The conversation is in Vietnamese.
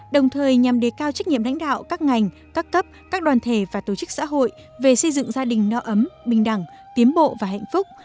đồng thời nhằm đề cao trách nhiệm lãnh đạo các ngành các cấp các đoàn thể và tổ chức xã hội về xây dựng gia đình no ấm bình đẳng tiến bộ và hạnh phúc